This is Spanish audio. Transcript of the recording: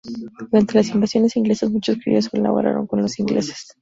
Durante las invasiones inglesas, muchos criollos colaboraron con los ingleses.